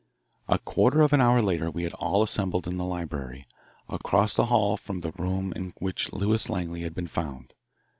A quarter of an hour later we had all assembled in the library, across the hall from the room in which Lewis Langley had been found.